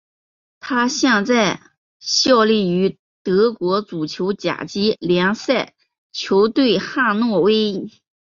他现在效力于德国足球甲级联赛球队汉诺威。